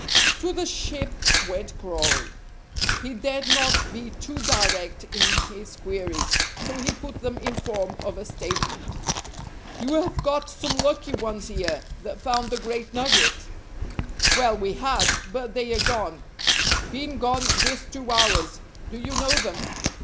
To the "Ship" went Crawley. He dared not be too direct in his queries, so he put them in form of a statement. "You have got some lucky ones here, that found the great nugget?" "Well, we had! But they are gone been gone this two hours. Do you know them?"